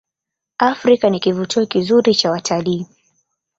afrika ni kivutio kizuri cha wataliii